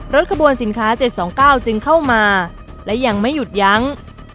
รถขบวนสินค้า๗๒๙จึงเข้ามาและยังไม่หยุดยั้ง